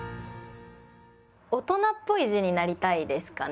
大人っぽい字になりたいですかね。